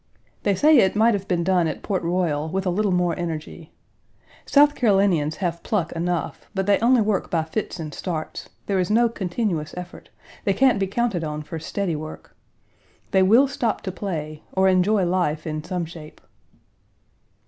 They say it might have been done at Port Royal with a little more energy. South Carolinians have pluck enough, but they only work by fits and starts; there is no continuous effort; they can't be counted on for steady work. They will stop to play or enjoy life in some shape.